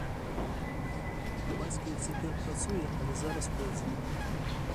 Бацька іх цяпер працуе, але зараз прыйдзе.